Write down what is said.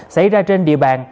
xảy ra trên địa bàn